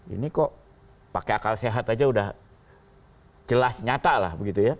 ini kok pakai akal sehat saja sudah jelas nyata lah